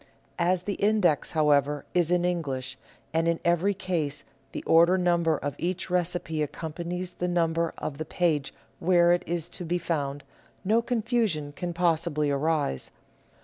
As the index, how ever, is in English, and in every case the order number of each recipe accompanies the number of the page where it is to be found, no confusion can possibly arise.